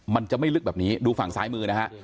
มันจะไม่ลึกแบบนี้ดูฝั่งซ้ายมือนะฮะ